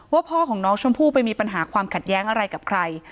พ่อของน้องชมพู่ไปมีปัญหาความขัดแย้งอะไรกับใคร